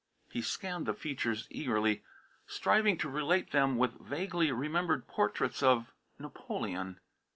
He scanned the features eagerly, striving to relate them with vaguely remembered portraits of Napoleon.